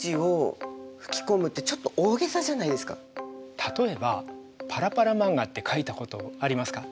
例えばパラパラマンガって描いたことありますか？